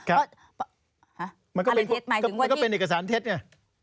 อ๋ออะไรเท็ดหมายถึงว่าที่มันก็เป็นเอกสารเท็ดไง